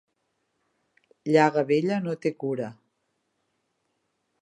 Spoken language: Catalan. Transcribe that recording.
Llaga vella no té cura.